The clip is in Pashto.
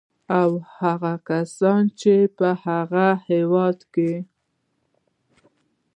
او هغه کسان چې په هغه هېواد کې